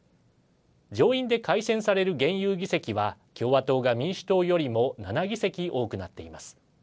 上院で改選される現有議席は共和党が民主党よりも７議席多くなっています。